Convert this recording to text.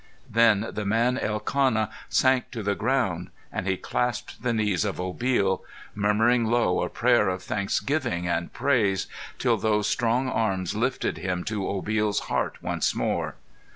Then the man Elkanah sank to the ground, and he clasped the knees of Obil, murmuring low a prayer of thanksgiving and praise, till those strong arms lifted him to Obil's heart once more.